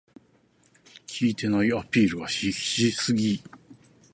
効いてないアピールが必死すぎ